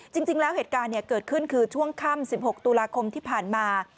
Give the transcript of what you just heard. จริงแล้วเหตุการณ์เกิดขึ้นคือช่วงค่ำ๑๖ตุลาคมที่ผ่านมา